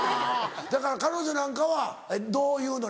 だから彼女なんかはどう言うの？